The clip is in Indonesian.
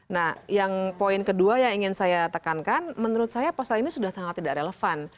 nah yang poin kedua yang ingin saya tekankan menurut saya pasal ini sudah sangat tidak relevan